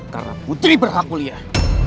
karena putri berhak kuliah